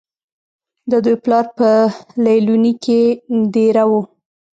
د دوي پلار پۀ ليلونۍ کښې دېره وو